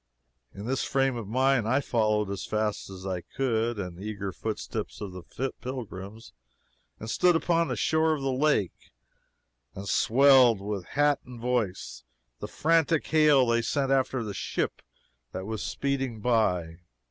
In this frame of mind I followed, as fast as I could, the eager footsteps of the pilgrims, and stood upon the shore of the lake, and swelled, with hat and voice, the frantic hail they sent after the "ship" that was speeding by.